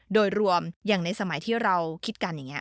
โดยรวมอย่างในสมัยที่เราคิดกันอย่างนี้